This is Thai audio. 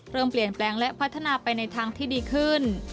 เริ่มเปลี่ยนแปลงและพัฒนาไปในทางที่ดีขึ้น